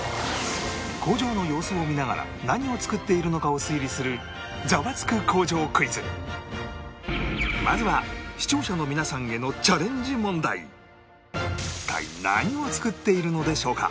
工場の様子を見ながら何を作っているのかを推理するまずは視聴者の皆さんへの一体何を作っているのでしょうか？